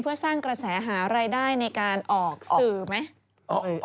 เพื่อสร้างกระแสหารายได้ในการออกสื่อไหม